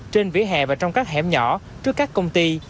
trên vỉa hè và trong các hẻm nhỏ trước các công ty